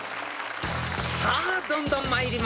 ［さあどんどん参りましょう］